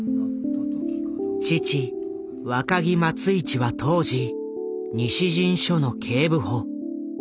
父・若木松一は当時西陣署の警部補。